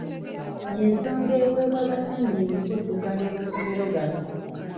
Y'ensonga eweebwa bannannyini kuddukanya masomero gano.